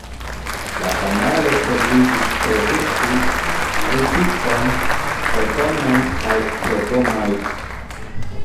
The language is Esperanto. La kanalo ebligis produkti tritikon, kotonon kaj legomojn.